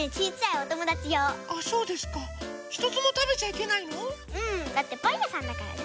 うんだってパンやさんだからね。